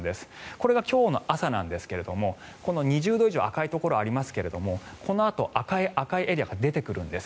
これが今日の朝なんですが２０度以上赤いところがありますがこのあと赤いエリアが出てくるんです。